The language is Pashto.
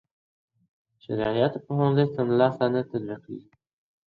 شرعیاتو پوهنځۍ سمدلاسه نه تطبیقیږي.